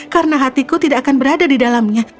karena hatiku tidak akan berada di dalamnya